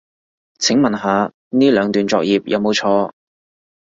請問下呢兩段作業有冇錯